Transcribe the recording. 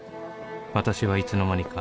「私はいつの間にか」